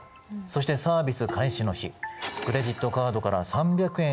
そしてサービス開始の日クレジットカードから３００円